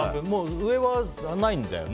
上はないんだよね？